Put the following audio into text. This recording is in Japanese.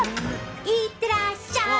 行ってらっしゃい！